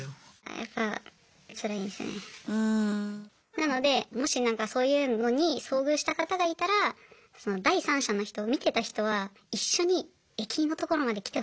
なのでもしなんかそういうのに遭遇した方がいたらその第三者の人見てた人は一緒に駅員のところまで来てほしい。